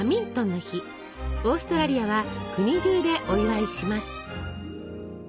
オーストラリアは国中でお祝いします。